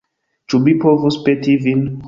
Ĉu mi povus peti vin?